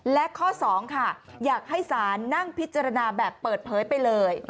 และข้อ๒ค่ะอยากให้ศาลนั่งพิจารณาแบบเปิดเผยไปเลย